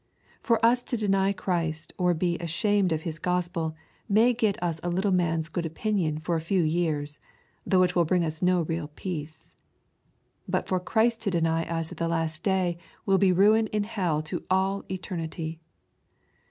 For us to deny Christ or be ashamed of His Gospel, may get us a little of man's good opin ion for a few years, though it will bring us no real peace. But for Christ to deny us at the last day will be ruin in hell to all eternity